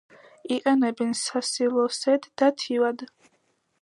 იყენებენ სასილოსედ და თივად.